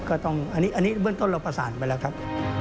ก็ต้องอันนี้เบื้องต้นเราประสานไปแล้วครับ